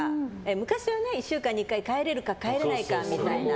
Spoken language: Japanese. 昔は１週間に１回帰れるか帰れないかみたいな。